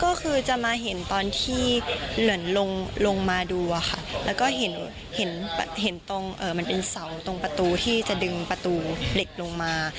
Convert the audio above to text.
ก็คือจะมาเห็นตอนที่เหมือนลงมาดูอะค่ะแล้วก็เห็นตรงมันเป็นเสาตรงประตูที่จะดึงประตูเหล็กลงมา